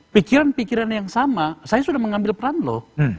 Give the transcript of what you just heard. pikiran pikiran yang sama saya sudah mengambil peran loh